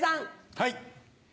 はい。